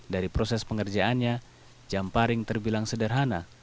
dari proses pengerjaannya jamparing terbilang sederhana